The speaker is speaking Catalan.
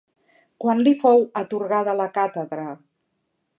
Quan li fou atorgada la càtedra?